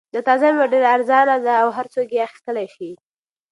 دا تازه مېوه ډېره ارزان ده او هر څوک یې اخیستلای شي.